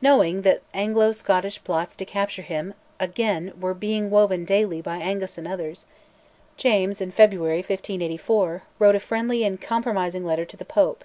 Knowing that Anglo Scottish plots to capture him again were being woven daily by Angus and others, James, in February 1584, wrote a friendly and compromising letter to the Pope.